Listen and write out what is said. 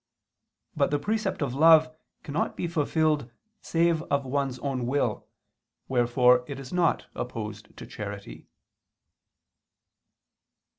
But the precept of love cannot be fulfilled save of one's own will, wherefore it is not opposed to charity.